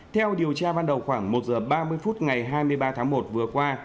theo điều tra ban đầu khoảng một giờ ba mươi phút ngày hai mươi ba tháng một vừa qua